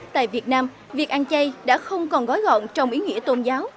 tại việt nam việc ăn chay đã không còn gói gọn trong ý nghĩa tôn giáo